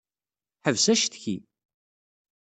Ḥbes accetki.